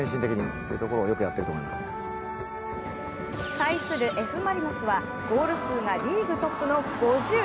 対するＦ・マリノスはゴール数がリーグトップの５０。